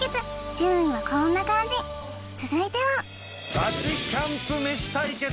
順位はこんな感じ続いてはイエー！